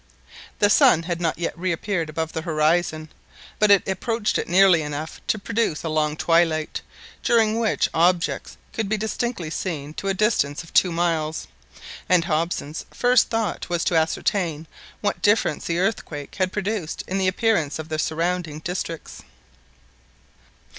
The sun had not yet reappeared above the horizon, but it approached it nearly enough to produce a long twilight, during which objects could be distinctly seen to a distance of two miles; and Hobson's first thought was to ascertain what difference the earthquake had produced in the appearance of the surrounding districts.